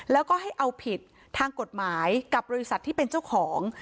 แล้วก็ให้เอาผิดทางกฎหมายกับบริษัทที่เป็นเจ้าของ